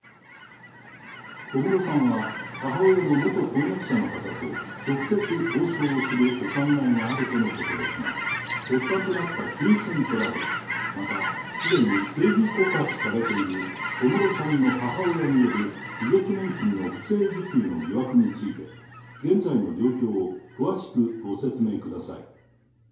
小室さんは母親の元婚約者の方と、直接交渉をするお考えがあるとのことですが、発端となった金銭トラブル、また、すでに刑事告発されている小室さんの母親による、遺族年金の不正受給の疑惑について、現在の状況を詳しくご説明ください。